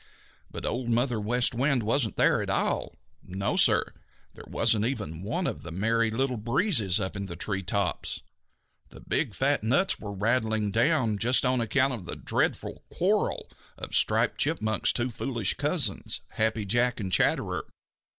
But Old Mother West Wind wasn't there at all. No, Sir, there wasn't even one of the Merry Little Breezes up in the tree tops. The big fat nuts were rattling down just on account of the dreadful quarrel of Striped Chipmunk's two foolish cousins, Happy Jack and Chatterer.